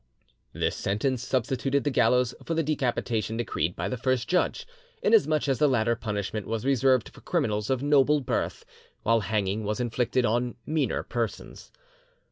This sentence substituted the gallows for the decapitation decreed by the first judge, inasmuch as the latter punishment was reserved for criminals of noble birth, while hanging was inflicted on meaner persons.